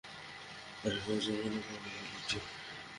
আর এভাবেই জন্ম নেয় প্রবাবিলিটি।